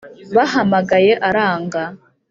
Bahamagaye aranga